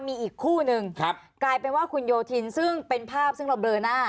มีอีกคู่หนึ่งกลายเป็นว่าคุณโยธินซึ่งเป็นภาพซึ่งเราเบลอหน้า